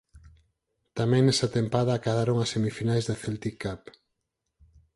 Tamén nesa tempada acadaron as semifinais da Celtic Cup.